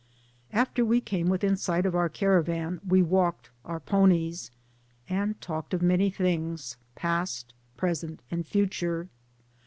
After we came within sight of our cara van we walked our ponies, and talked of many things, past, present, and future.